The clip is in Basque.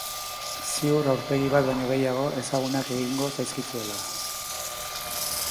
Ziur aurpegi bat baino gehiago ezagunak egingo zaizkizuela.